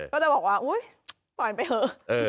ก็จะบอกว่าอุ๊ยปล่อยไปเถอะ